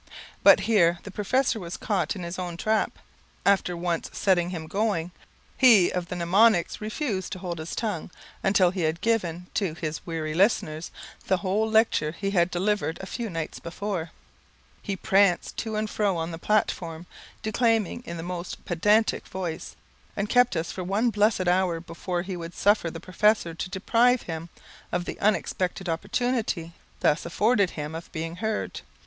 But here the professor was caught in his own trap. After once setting him going, he of the mnemonics refused to hold his tongue until he had given, to his weary listeners, the whole lecture he had delivered a few nights before. He pranced to and fro on the platform, declaiming in the most pedantic voice, and kept us for one blessed hour before he would suffer the professor to deprive him of the unexpected opportunity thus afforded him of being heard.